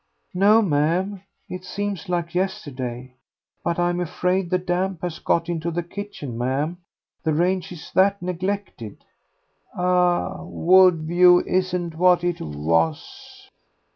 "No, ma'am. It seems like yesterday.... But I'm afraid the damp has got into the kitchen, ma'am, the range is that neglected " "Ah, Woodview isn't what it was."